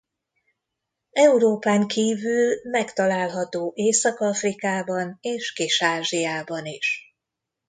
Európán kívül megtalálható Észak-Afrikában és Kis-Ázsiában is.